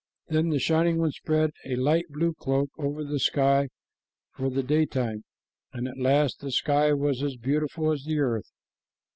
Then the Shining One spread a light blue cloak over the sky for the daytime, and at last the sky was as beautiful as the earth.